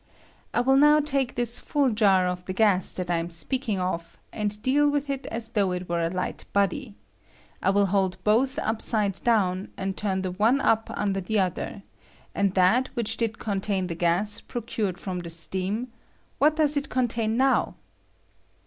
I will now take this jar full of the gas that I am speaking of, and deal with it as though it were a light body ; I will hold both upside down, and turn the one up under the other; and that which did contain the gas i ^ procured from the steam, what does it contain now